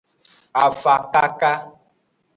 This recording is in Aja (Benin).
Afakaka.